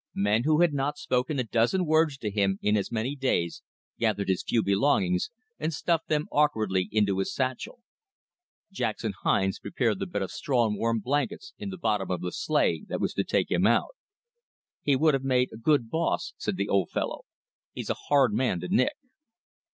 Men who had not spoken a dozen words to him in as many days gathered his few belongings and stuffed them awkwardly into his satchel. Jackson Hines prepared the bed of straw and warm blankets in the bottom of the sleigh that was to take him out. "He would have made a good boss," said the old fellow. "He's a hard man to nick."